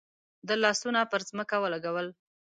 ده لاسونه پر ځمکه ولګول.